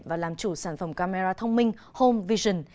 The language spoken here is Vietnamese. và làm chủ sản phẩm camera thông minh home vision